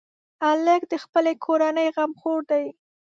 هلک د خپلې کورنۍ غمخور دی.